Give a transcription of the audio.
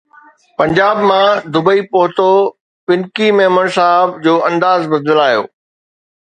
پنجاب مان دبئي پهتو پنڪي ميمڻ صاحب جو انداز بدلايو